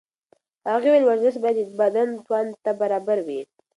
هغې وویل ورزش باید د بدن توان ته برابر وي.